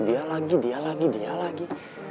dia lagi dia lagi dia lagi